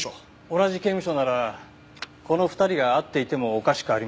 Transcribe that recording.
同じ刑務所ならこの２人が会っていてもおかしくありませんよね。